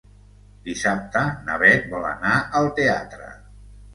Dissabte na Beth vol anar al teatre.